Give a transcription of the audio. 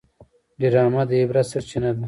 ډرامه د عبرت سرچینه ده